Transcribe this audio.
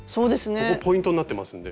ここポイントになってますんで。